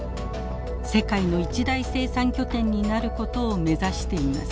世界の一大生産拠点になることを目指しています。